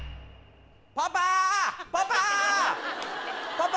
パパ！